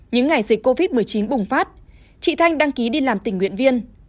những ngày dịch covid một mươi chín bùng phát chị thanh đăng ký đi làm tình nguyện viên